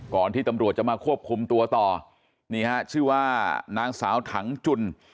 ที่ตำรวจจะมาควบคุมตัวต่อนี่ฮะชื่อว่านางสาวถังจุน